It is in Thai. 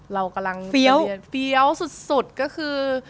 เรากำลังเฟี้ยวสุดก็คือ